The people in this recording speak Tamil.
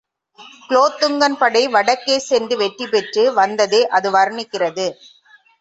குலோத்துங்கன் படை வடக்கே சென்று வெற்றி பெற்று வந்ததை அது வருணிக்கிறது.